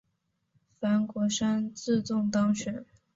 潘国山自动当选。